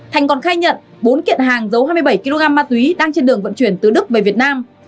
thành còn khai nhận bốn kiện hàng giấu hai mươi bảy kg ma túy đang trên đường vận chuyển từ đức về việt nam